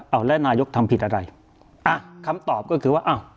เอาแล้วนายกทำผิดอะไรอ่ะคำตอบก็คือว่าอ้าว